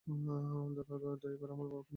দাদা, দয়া করে আমার বাবাকে নিয়ে এসো।